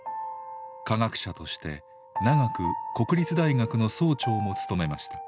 科学者として長く国立大学の総長も務めました。